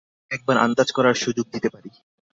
একবার আন্দাজ করার সুযোগ দিতে পারি।